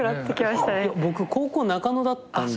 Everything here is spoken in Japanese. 僕高校中野だったんで。